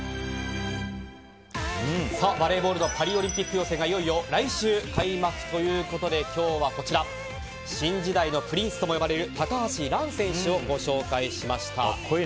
バレーボールのパリオリンピック予選がいよいよ来週開幕ということで今日は、新時代のプリンスとも呼ばれる高橋藍選手をご紹介しました。